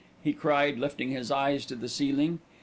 he cried, lifting his eyes to the ceiling.